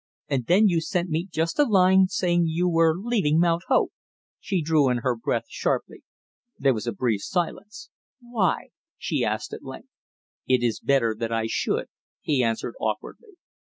And then you sent me just a line saying you were leaving Mount Hope " she drew in her breath sharply. There was a brief silence. "Why?" she asked at length. "It is better that I should," he answered awkwardly.